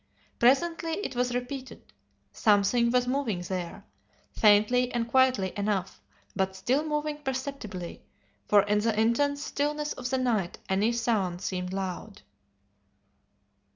Presently it was repeated. Something was moving there, faintly and quietly enough, but still moving perceptibly, for in the intense stillness of the night any sound seemed loud.